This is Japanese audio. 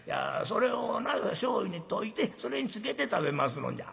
それをなしょうゆに溶いてそれにつけて食べますのんじゃ」。